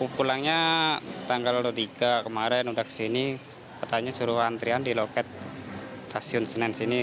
pulangnya tanggal dua puluh tiga kemarin sudah kesini katanya suruh antrian di loket stasiun senen sini